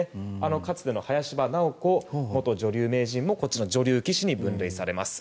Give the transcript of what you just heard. かつては林葉直子元女流名人もこっちの女流棋士に分類されます。